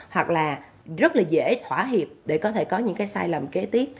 hoặc là rất là dễ thỏa hiệp để có thể có những cái sai lầm kế tiếp